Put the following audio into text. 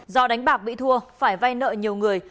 do đánh bạc bị thua phải vay nợ nhiều người